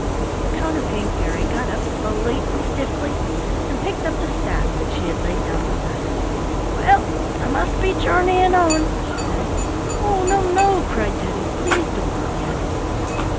The Counterpane Fairy got up slowly and stiffly, and picked up the staff that she had laid down beside her. "Well, I must be journeying on," she said. "Oh, no, no!" cried Teddy. "Please don't go yet."